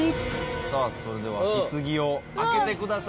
さあそれでは棺を開けてください。